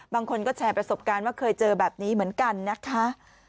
บางคนก็แชร์ประสบการณ์ว่าเคยเจอแบบนี้เหมือนกันนะคะ